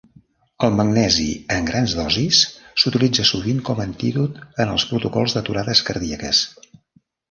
El magnesi en grans dosis s'utilitza sovint com a antídot en els protocols d'aturades cardíaques.